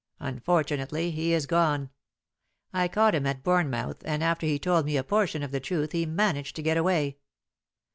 Unfortunately he is gone. I caught him at Bournemouth, and after he told me a portion of the truth he managed to get away.